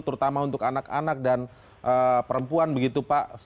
terutama untuk anak anak dan perempuan begitu pak